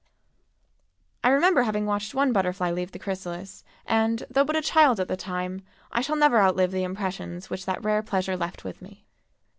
I remember having watched one butterfly leave the chrysalis and, though but a child at the time, I shall never outlive the impressions which that rare pleasure left with me.